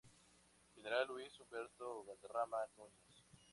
General Luis Humberto Valderrama Núñez.